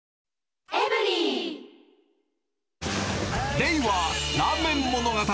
令和ラーメン物語。